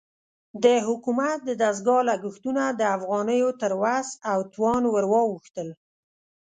د حکومت د دستګاه لګښتونه د افغانیو تر وس او توان ورواوښتل.